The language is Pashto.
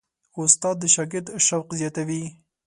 استاد د شاګرد شوق زیاتوي.